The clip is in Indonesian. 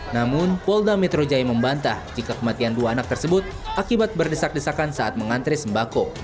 namun polda metro jaya membantah jika kematian dua anak tersebut akibat berdesak desakan saat mengantri sembako